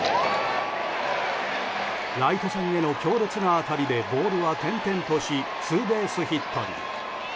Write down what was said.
ライト線への強烈な当たりでボールは転々としツーベースヒットに。